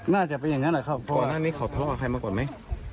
น่าจะเป็นอย่างนั้นแหละครับก่อนหน้านี้เขาทะเลาะกับใครมาก่อนไหม